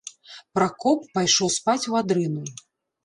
Пракоп пайшоў спаць у адрыну.